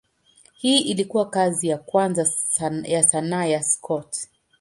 Hii ilikuwa kazi ya kwanza ya sanaa ya Scott.